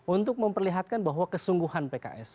untuk memperlihatkan bahwa kesungguhan pks